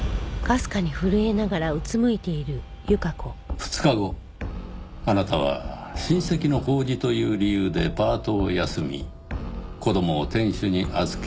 ２日後あなたは親戚の法事という理由でパートを休み子供を店主に預け